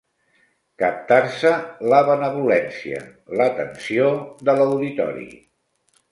Captar-se la benevolència, l'atenció, de l'auditori.